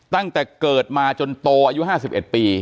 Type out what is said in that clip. ตั้งแต่เกิดมาจนโตอายุ๕๑ปี